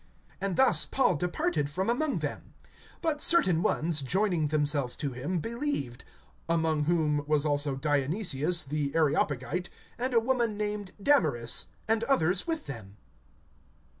(33)And thus Paul departed from among them. (34)But certain ones, joining themselves to him, believed; among whom was also Dionysius the Areopagite, and a woman named Damaris, and others with them.